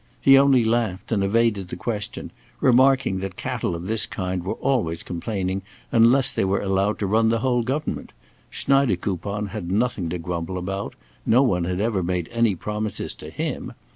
He only laughed and evaded the question, remarking that cattle of this kind were always complaining unless they were allowed to run the whole government; Schneidekoupon had nothing to grumble about; no one had ever made any promises to him.